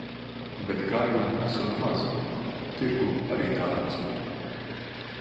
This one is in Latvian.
Bet gaileņu esot maz. Tirgū arī dārgas.